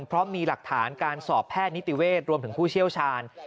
เพราะมีหลักฐานการสอบแพทย์นิติเวศรวมถึงผู้เชี่ยวชาญ